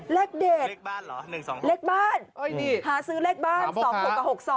เล็กเดทเล็กบ้านหาซื้อเล็กบ้าน๒๖๖๒